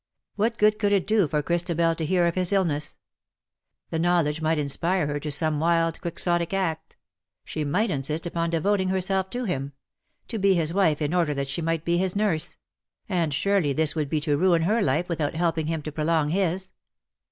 What good could it do for Christabel to hear of his illness. The knowledge AND JOY A VANE THAT VEERS." 29 might inspire her to some wild quixotic act: she might insist upon devoting herself to him — to be his wife in order that she might be his nurse — and surely this would be to ruin her life without helping him to prolong his.